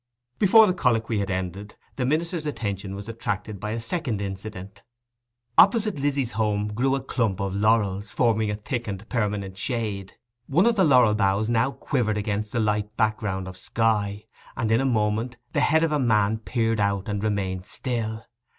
Before the colloquy had ended, the minister's attention was attracted by a second incident. Opposite Lizzy's home grew a clump of laurels, forming a thick and permanent shade. One of the laurel boughs now quivered against the light background of sky, and in a moment the head of a man peered out, and remained still.